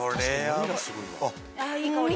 あいい香り！